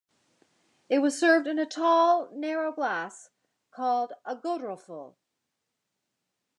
It was served in a tall, narrow glass called a "Goderulffe".